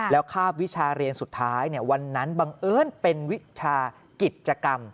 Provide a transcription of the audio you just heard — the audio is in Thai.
แล้วคาบวิชาเรียนสุดท้ายวันนั้นบังเอิญเป็นวิชากิจกรรม